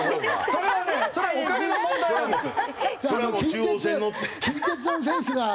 それはねそれはお金の問題なんですよ。